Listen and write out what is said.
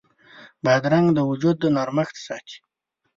بادرنګ د وجود نرمښت ساتي.